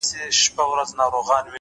جرئت د حقیقت دروازه پرانیزي؛